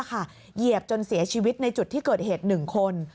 เหยียบจนเสียชีวิตในจุดที่เกิดเหตุ๑คน